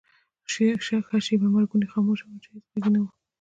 ښه شیبه مرګونې خاموشي وه، چې هېڅ ږغ نه و.